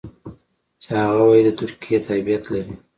چې هغه وايي د ترکیې تابعیت لري.